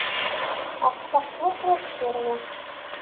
Aql-aɣ swaswa deffir-wen.